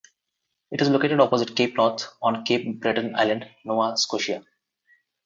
It is located opposite Cape North on Cape Breton Island, Nova Scotia.